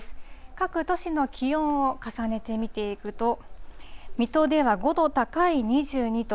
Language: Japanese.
各都市の気温を重ねて見ていくと水戸では５度高い２２度。